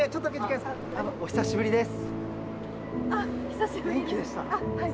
お久しぶりです。